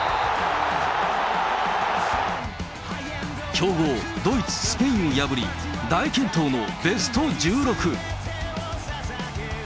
強豪、ドイツ、スペインを破り、大健闘のベスト１６。